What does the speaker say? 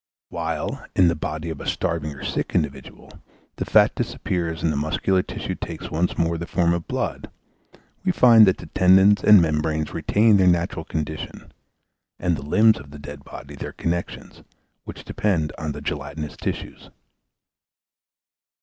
While, in the body of a starving or sick individual, the fat disappears and the muscular tissue takes once more the form of blood, we find that the tendons and membranes retain their natural condition, and the limbs of the dead body their connections, which depend on the gelatinous tissues.